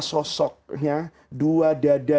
sosoknya dua dada